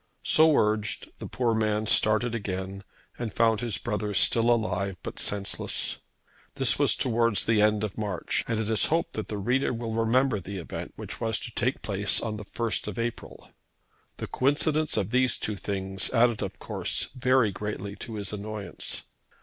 So urged the poor man started again, and found his brother still alive, but senseless. This was towards the end of March, and it is hoped that the reader will remember the event which was to take place on the 1st of April. The coincidence of the two things added of course very greatly to his annoyance.